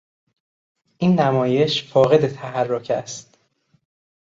این نمایش فاقد تحرک است.